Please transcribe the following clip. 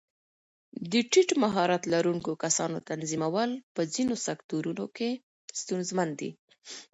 د ټیټ مهارت لرونکو کسانو تنظیمول په ځینو سکتورونو کې ستونزمن دي.